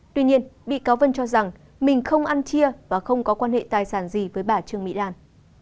tuy nhiên bị cáo vân cho rằng mình không ăn chia và không có quan hệ tài sản gì với bà trương mỹ lan